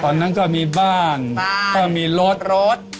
ตอนนั้นก็มีบ้านก็มีรถรถ